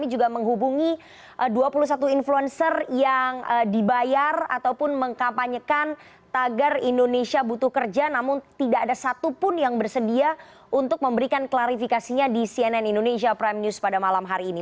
juga menghubungi dua puluh satu influencer yang dibayar ataupun mengkampanyekan tagar indonesia butuh kerja namun tidak ada satupun yang bersedia untuk memberikan klarifikasinya di cnn indonesia prime news pada malam hari ini